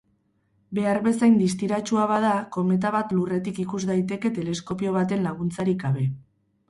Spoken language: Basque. Behar bezain distiratsua bada, kometa bat Lurretik ikus daiteke teleskopio baten laguntzarik gabe.